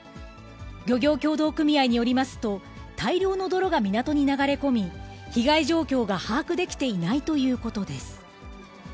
漁業協同組合によりますと、大量の泥が港に流れ込み、被害状況が把握できていないということです。